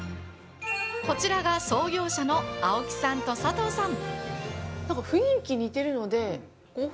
こちらが創業者の青木さんと佐藤さん。